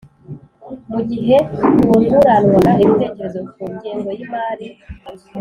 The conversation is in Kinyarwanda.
mu gihe hunguranwaga ibitekerezo ku ngengo y'imari,